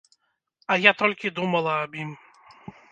А я толькі думала аб ім.